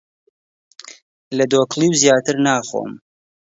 لە دۆکڵیو زیاتر ناخۆم!